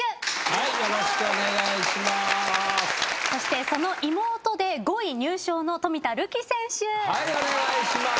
そしてその妹で５位入賞の冨田るき選手。